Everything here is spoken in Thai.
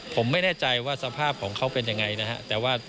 ผมไม่แน่ใจว่าสภาพของเขาเป็นยังไงนะครับ